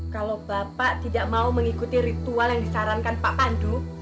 kalau bapak tidak mau mengikuti ritual yang disarankan pak pandu